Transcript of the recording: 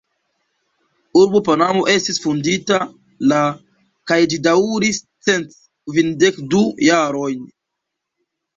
Urbo Panamo estis fondita la kaj ĝi daŭris cent kvindek du jarojn.